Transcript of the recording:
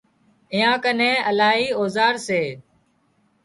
ايئان ڪنين الاهي اوزار سي